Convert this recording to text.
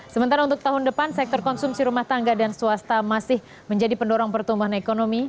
sementara untuk tahun depan sektor konsumsi rumah tangga dan swasta masih menjadi pendorong pertumbuhan ekonomi